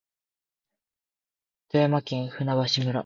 富山県舟橋村